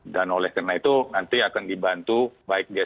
dan oleh karena itu nanti akan dibantu baik baik saja